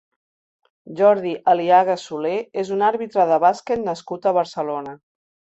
Jordi Aliaga Solé és un àrbitre de bàsquet nascut a Barcelona.